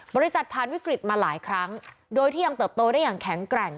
ผ่านวิกฤตมาหลายครั้งโดยที่ยังเติบโตได้อย่างแข็งแกร่ง